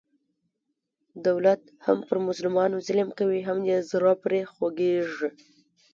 دولت هم په مظلومانو ظلم کوي، هم یې زړه پرې خوګېږي.